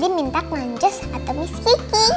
dia minta klanjus atau miskiki